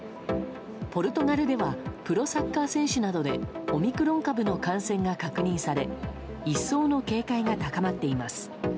ポルトガルではプロサッカー選手などでオミクロン株の感染が確認され一層の警戒が高まっています。